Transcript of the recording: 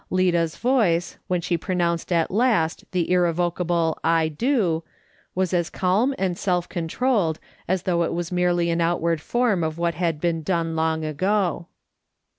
Lida's voice, when she pronounced at last the irrevocable " I do," was as calm and self controlled as though it was merely an outward form of what had been done long ago.